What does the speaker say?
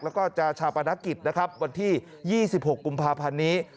แล้วก็จะชาปนักกิจวันที่๒๖กุมภาพันธ์นี้